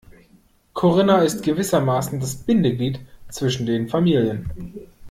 Corinna ist gewissermaßen das Bindeglied zwischen den Familien.